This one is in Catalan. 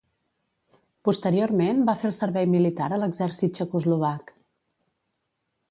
Posteriorment va fer el servei militar a l'exèrcit txecoslovac.